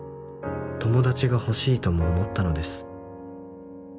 「友達がほしいとも思ったのです」